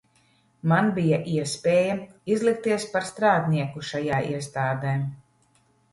Man bija iespēja izlikties par strādnieku šajā iestādē.